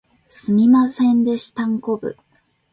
すみませんでしたんこぶ